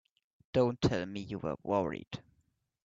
Don't tell me you were worried!